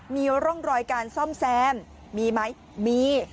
มีร่องรอยการซ่อมแซมมีไหมมี